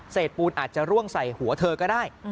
ปูนอาจจะร่วงใส่หัวเธอก็ได้